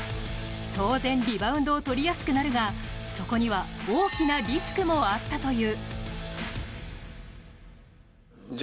当然、リバウンドを取りやすくなるがそこには大きなリスクもあったという。